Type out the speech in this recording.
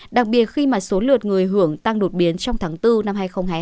đặc biệt khi mà số lượt người hưởng tăng đột biến trong tháng bốn năm hai nghìn hai mươi hai